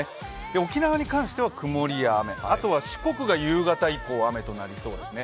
沖縄に関しては曇りや雨、あとは四国が夕方以降雨となりそうですね。